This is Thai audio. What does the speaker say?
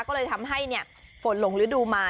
ก็เลยทำให้ฝนหลงฤดูมา